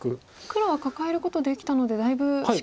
黒はカカえることできたのでだいぶしっかり。